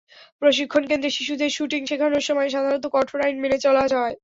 প্রশিক্ষণকেন্দ্রে শিশুদের শ্যুটিং শেখানোর সময় সাধারণত কঠোর আইন মেনে চলা হয়।